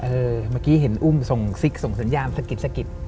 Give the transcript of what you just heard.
เมื่อกี้เห็นอุ้มส่งซิกส่งสัญญาณสะกิดสะกิด